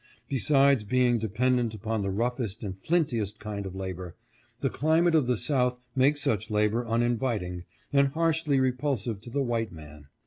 Besides being dependent upon the roughest and flintiest kind of labor, the climate of the South makes such labor uninviting and harshly repulsive to the white man.